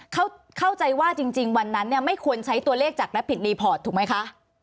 เข้าใจว่าจริงวันนั้นเนี่ยไม่ควรใช้ตัวเลขจากรับผิดรีพอร์ตถูกไหมคะ